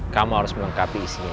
kamu harus melengkapi isinya